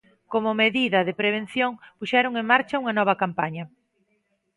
Como medida de prevención, puxeron en marcha unha nova campaña.